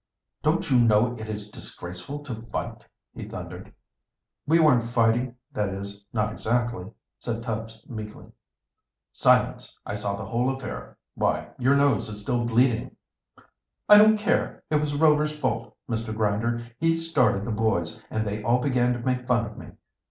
"Don't you know it is disgraceful to fight?" he thundered. "We weren't fighting that is, not exactly," said Tubbs meekly. "Silence! I saw the whole affair. Why, your nose is still bleeding." "I don't care. It was Rover's fault, Mr. Grinder. He started the boys, and they all began to make fun of me.